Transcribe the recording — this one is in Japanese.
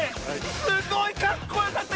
すごいかっこよかった！